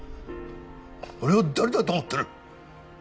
俺を誰だと思ってる！